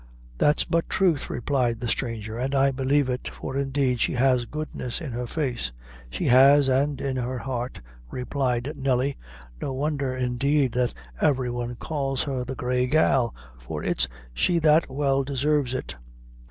"That's but truth," replied the stranger, "and I believe it; for indeed she has goodness in her face." "She has and in her heart," replied Nelly; "no wondher, indeed, that every one calls her the Gra Gal, for it's she that well deserves it.